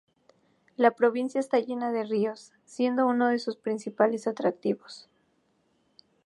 La provincia está llena de ríos, siendo uno de sus principales atractivos.